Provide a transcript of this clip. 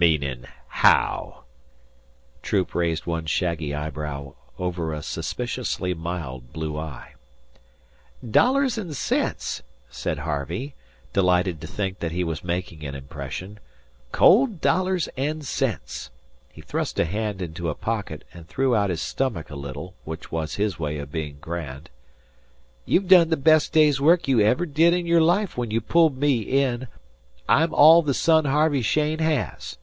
"Meanin' haow?" Troop raised one shaggy eyebrow over a suspiciously mild blue eye. "Dollars and cents," said Harvey, delighted to think that he was making an impression. "Cold dollars and cents." He thrust a hand into a pocket, and threw out his stomach a little, which was his way of being grand. "You've done the best day's work you ever did in your life when you pulled me in. I'm all the son Harvey Cheyne has."